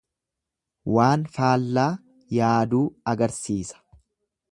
Waan faallaa yaaduu agarsiisa.